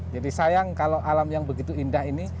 jadi sayang kalau alam yang begitu indah ini